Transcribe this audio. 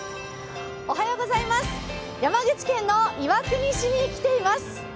山口県の岩国市に来ています。